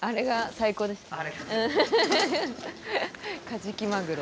カジキマグロ。